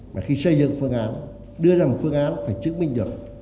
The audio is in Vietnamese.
và khi xây dựng phương án đưa ra một phương án phải chứng minh được